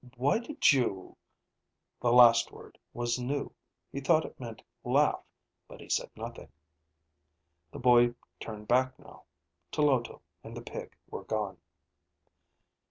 "Why did you ?" (The last word was new. He thought it meant laugh, but he said nothing.) The boy turned back now. Tloto and the pig were gone.